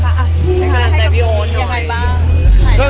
อ่ะให้พี่โอ๊ตหน่อย